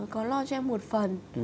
có lo cho em một phần